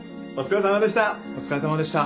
お疲れさまでした。